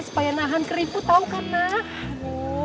supaya nahan keriput tau kan nak